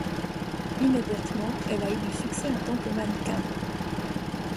Immédiatement, elle a du succès en tant que mannequin.